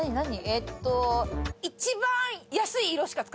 えっと。